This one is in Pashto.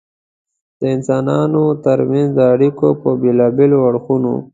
د انسانانو تر منځ د اړیکو په بېلابېلو اړخونو.